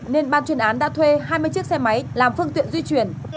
nên ban chuyên án đã thuê hai mươi chiếc xe máy làm phương tiện di chuyển